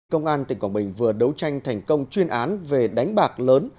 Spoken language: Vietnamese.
công an tỉnh quảng bình vừa đấu tranh thành công chuyên án về đánh bạc lớn